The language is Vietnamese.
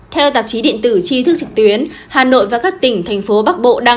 theo tạp chí điện tử tri thức trực tuyến hà nội và các tỉnh thành phố bắc bộ